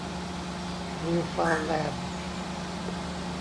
นิวเฟาน์แลนด์